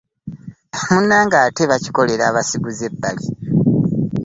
Munnange ate babikolera abasiguze ebbali!